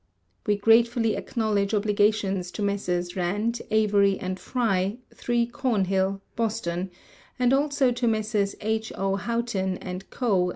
We gratefully acknowledge obligations to Messrs. Rand, Avery, and Frye, 3 Cornhill, Boston; and also to Messrs. H. O. Houghton and Co.